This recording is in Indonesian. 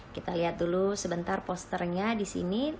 kita lihat dulu sebentar posternya di sini